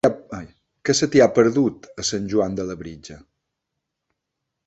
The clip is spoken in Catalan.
Què se t'hi ha perdut, a Sant Joan de Labritja?